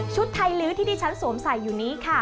ไทยลื้อที่ที่ฉันสวมใส่อยู่นี้ค่ะ